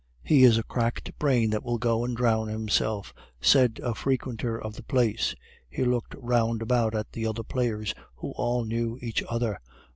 "He is a cracked brain that will go and drown himself," said a frequenter of the place. He looked round about at the other players, who all knew each other.